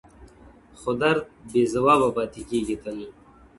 خو درد بې ځوابه پاتې کيږي تل,